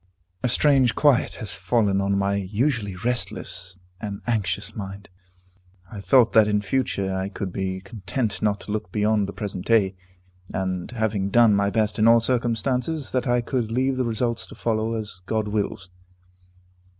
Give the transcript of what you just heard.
A strange quiet has fallen on my usually restless and anxious mind. I thought that in future I could be content not to look beyond the present duty, and, having done my best in all circumstances, that I could leave the results to follow as God wills.